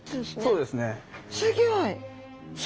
そうですね。